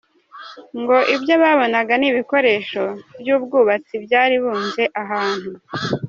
Ngo icyo babonaga ni ibikoresho by’ ubwubatsi byari bunze ahantu.